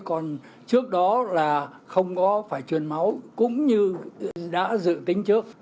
còn trước đó là không có phải truyền máu cũng như đã dự tính trước